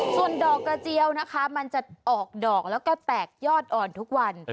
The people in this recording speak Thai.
ส่วนดอกกระเจียวนะคะมันจะออกดอกแล้วก็แตกยอดอ่อนทุกวัน